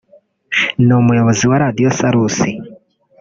ni umuyobozi wa Radio Salus